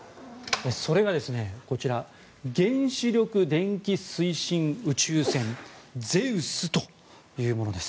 それがこちら原子力電気推進宇宙船ゼウスというものです。